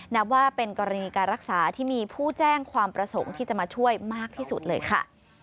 นับว่าเป็นกรณีการรักษาที่มีผู้แจ้งความประสงค์ที่จะมาช่วยมากที่สุดเลยค่ะ